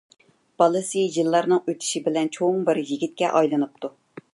بالىسى يىللارنىڭ ئۆتۈشى بىلەن چوڭ بىر يىگىتكە ئايلىنىپتۇ.